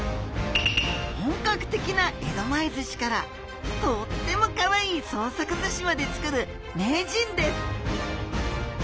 本格的な江戸前寿司からとってもかわいい創作寿司までつくる名人です。